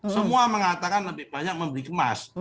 semua mengatakan lebih banyak membeli emas